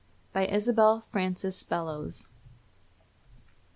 BY ISABEL FRANCES BELLOWS.